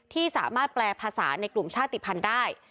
ที่สามารถแปลภาษาในกลุ่มชาติภัณฑ์ได้